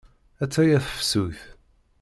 Atta-ya tefsut.